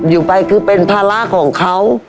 อยู่ไปคือเป็นภาระของเขา